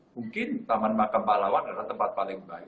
mungkin taman makam pahlawan adalah tempat paling baik